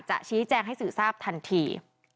ชี้แจงให้สื่อทราบทันที